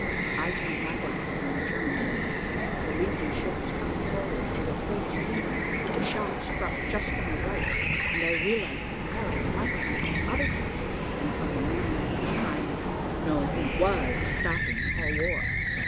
I turned my glasses on the German fleet. The leading ship was coming forward, under full steam. A shot struck just to my right, and I realized that peril might come from other sources than from the man who was trying, no, who was stopping all war.